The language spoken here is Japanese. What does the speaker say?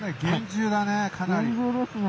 厳重ですね。